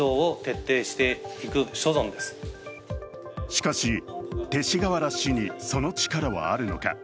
しかし、勅使河原氏にその力はあるのか。